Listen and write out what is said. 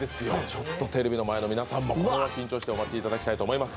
テレビの前の皆さんも、緊張してお待ちいただきたいと思います。